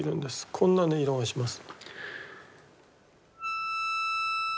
こんな音色がします。